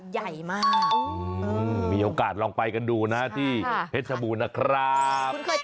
ใหญ่มากมีโอกาสลองไปกันดูนะที่เพชรบูรณ์นะครับ